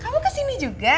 kamu kesini juga